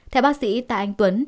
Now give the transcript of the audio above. theo bác sĩ tạ anh tuấn